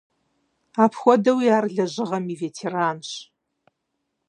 Апхуэдэуи ар лэжьыгъэм и ветеранщ.